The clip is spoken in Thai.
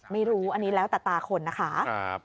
ไม่รู้อันนี้แล้วแต่ตาคนนะคะ